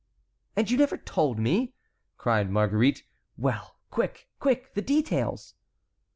"And you never told me!" cried Marguerite. "Well, quick, quick, the details."